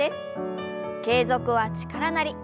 「継続は力なり」。